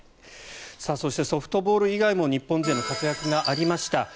そして、ソフトボール以外でも日本の活躍がありました。